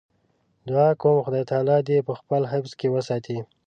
دعا کوم خدای تعالی دې په خپل حفظ کې وساتي.